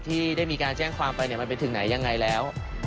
ที่ได้มีการแจ้งความไปมันไปถึงไหนยังไงแล้ว